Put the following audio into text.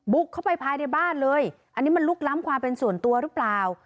เข้าไปภายในบ้านเลยอันนี้มันลุกล้ำความเป็นส่วนตัวหรือเปล่า